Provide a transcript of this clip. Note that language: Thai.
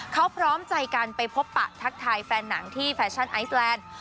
เขาพร้อมใจกันไปพบปะทักทายแฟนหนังที่แฟชั่นไอซแลนด์